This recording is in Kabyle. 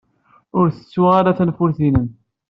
Ur ttettu ara tanfult-nnem!